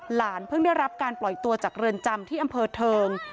หลานเพิ่งได้รับการปล่อยตัวจากเรือนจำที่อำเภอเทิง